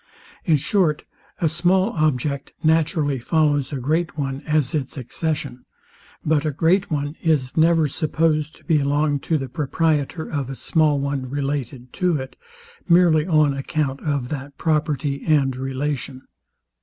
In short, a small object naturally follows a great one as its accession; but a great one Is never supposed to belong to the proprietor of a small one related to it, merely on account of that property and relation.